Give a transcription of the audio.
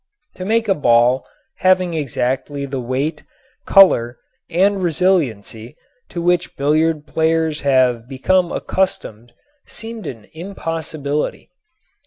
To make a ball having exactly the weight, color and resiliency to which billiard players have become accustomed seemed an impossibility.